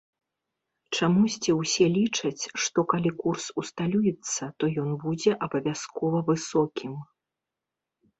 Чамусьці ўсе лічаць, што калі курс усталюецца, то ён будзе абавязкова высокім.